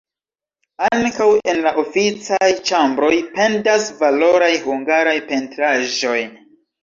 Ankaŭ en la oficaj ĉambroj pendas valoraj hungaraj pentraĵoj.